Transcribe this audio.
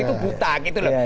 itu buta gitu loh